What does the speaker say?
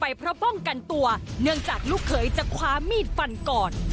เพราะป้องกันตัวเนื่องจากลูกเขยจะคว้ามีดฟันก่อน